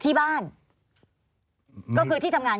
ปีอาทิตย์ห้ามีสปีอาทิตย์ห้ามีส